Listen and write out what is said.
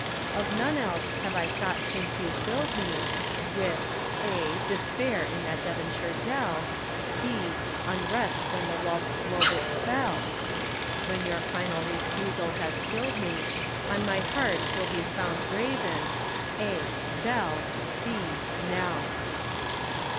Of none else have I thought since you filled me With { despair in that Devonshire dell. }{ unrest when the waltz wove its spell. } When your final refusal has killed me. On my heart will be found graven { Belle. { Nell.